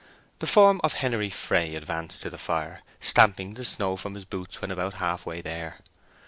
The form of Henery Fray advanced to the fire, stamping the snow from his boots when about half way there.